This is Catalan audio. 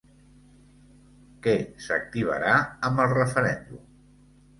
Què s'activarà amb el referèndum?